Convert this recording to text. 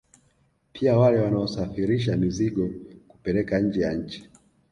Pia wale wanaosafirisha mizigo kupeleka nje ya nchi